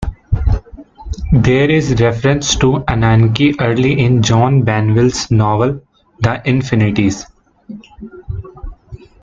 There is reference to Ananke early in John Banville's novel "The Infinities".